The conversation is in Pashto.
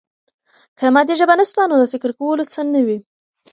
که مادي ژبه نسته، نو د فکر کولو څه نه وي.